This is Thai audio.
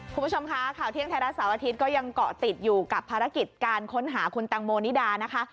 คุณผู้ชมคะข่าวเที่ยงไทยรัฐเสาร์อาทิตย์ก็ยังเกาะติดอยู่กับภารกิจการค้นหาคุณแตงโมนิดานะคะ